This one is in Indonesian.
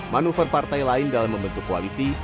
manuver partai lain dalam membentuk koalisi